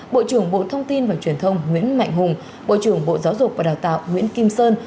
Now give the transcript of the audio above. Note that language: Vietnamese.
bộ trưởng bộ thông tin và truyền thông nguyễn mạnh hùng bộ trưởng bộ giáo dục và đào tạo nguyễn kim sơn